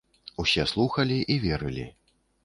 Усе слухалі і верылі.